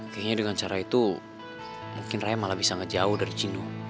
kayaknya dengan cara itu mungkin raya malah bisa ngejauh dari gino